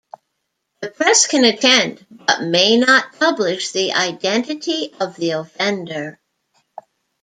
The press can attend but may not publish the identity of the offender.